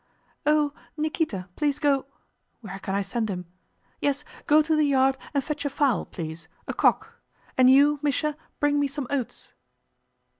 "Oh, Nikíta, please go... where can I send him?... Yes, go to the yard and fetch a fowl, please, a cock, and you, Misha, bring me some oats."